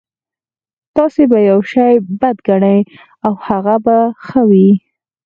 تاسې به يو شی بد ګڼئ او هغه به ښه وي.